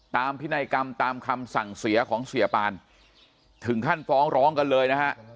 พินัยกรรมตามคำสั่งเสียของเสียปานถึงขั้นฟ้องร้องกันเลยนะฮะ